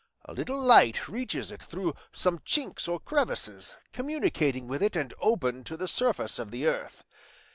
A little light reaches it through some chinks or crevices, communicating with it and open to the surface of the earth.